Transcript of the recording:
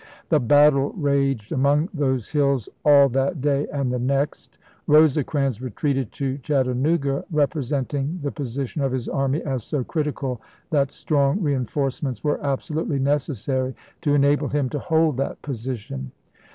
The battle raged among those hills all that day and the next. Rosecrans retreated to Chatta nooga, representing the position of his army as so critical that strong reenforcements were abso lutely necessary to enable him to hold that position.